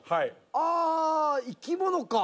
ああ生き物か。